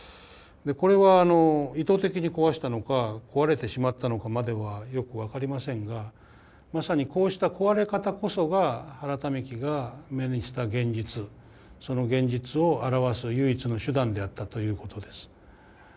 これは意図的に壊したのか壊れてしまったのかまではよく分かりませんがまさにこうした壊れ方こそが原民喜が目にした現実その現実を表す唯一の手段であったということです。